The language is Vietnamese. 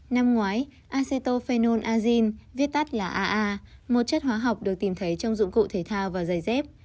năm ngoái acetophenolazine viết tắt là aa một chất hóa học được tìm thấy trong dụng cụ thể thao và giày dép